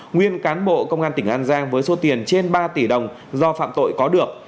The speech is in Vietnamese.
nguyên cán bộ công an tỉnh an giang với số tiền trên ba tỷ đồng do phạm tội có được